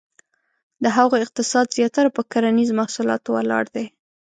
د هغو اقتصاد زیاتره په کرنیزه محصولاتو ولاړ دی.